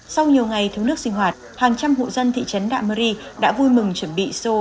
sau nhiều ngày thú nước sinh hoạt hàng trăm hộ dân thị trấn đạm rê đã vui mừng chuẩn bị sô